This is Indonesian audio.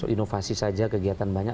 inovasi saja kegiatan banyak